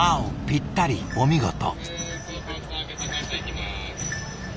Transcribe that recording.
ぴったりお見事。